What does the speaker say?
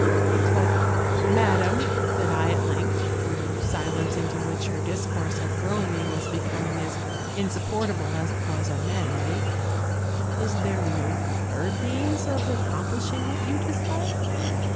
" 'But madam,' said I at length (for the silence intf which her discourse had thrown me was becoming as in supportable as it was unmannerly), 'is there no third means of accomplishing what you desire?'